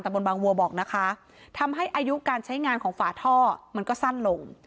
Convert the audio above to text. บนบางวัวบอกนะคะทำให้อายุการใช้งานของฝาท่อมันก็สั้นลง